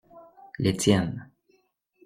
Les tiennes.